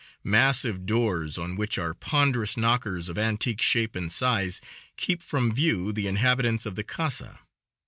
Massive doors, on which are ponderous knockers of antique shape and size, keep from view the inhabitants of the Casa.